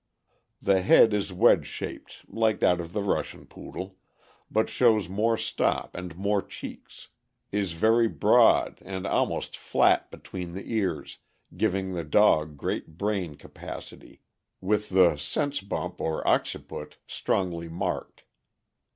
The head is wedge shaped, like that of the Russian Poodle, but shows more stop and more cheeks; is very broad, and almost flat between the ears, giving the dog great brain capacity, with the " sense bump, " or occiput, strongly marked.